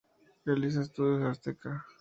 Realizada en Estudios Azteca.